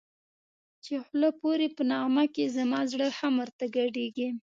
چی خوله پوری په نغمه کی زما زړه هم ورته گډېږی